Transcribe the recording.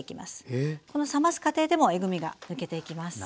この冷ます過程でもえぐみが抜けていきます。